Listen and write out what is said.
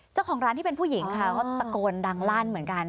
เจ้าของร้านที่เป็นผู้หญิงค่ะก็ตะโกนดังลั่นเหมือนกัน